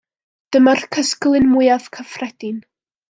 Dyma'r cysglyn mwyaf cyffredin.